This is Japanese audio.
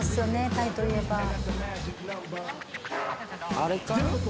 タイといえばあれか？